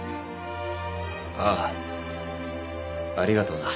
ああ。ありがとな。